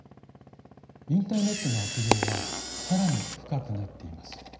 インターネットの悪用は更に深くなっています。